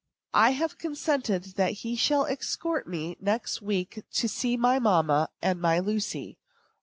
I have consented that he shall escort me next week to see my mamma and my Lucy.